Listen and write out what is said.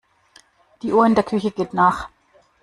Die Uhr in der Küche geht nach.